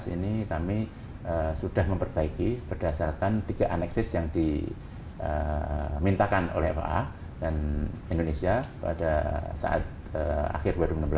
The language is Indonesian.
ini kami sudah memperbaiki berdasarkan tiga aneksis yang dimintakan oleh faa dan indonesia pada saat akhir dua ribu enam belas